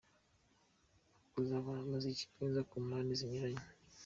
kuzabona umuziki mwiza ku mpande zinyuranye.